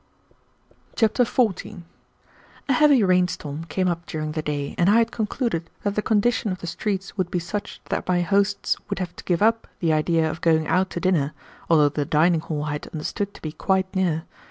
Chapter 14 A heavy rainstorm came up during the day, and I had concluded that the condition of the streets would be such that my hosts would have to give up the idea of going out to dinner, although the dining hall I had understood to be quite near.